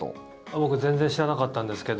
僕全然知らなかったんですけど。